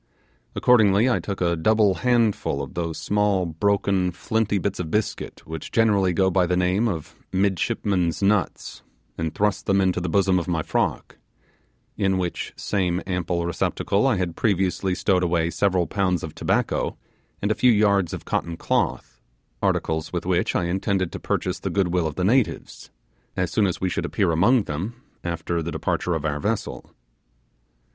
Accordingly I took a double handful of those small, broken, flinty bits of biscuit which generally go by the name of 'midshipmen's nuts', and thrust them into the bosom of my frock in which same simple receptacle I had previously stowed away several pounds of tobacco and a few yards of cotton cloth articles with which I intended to purchase the good will of the natives, as soon as we should appear among them after the departure of our vessel.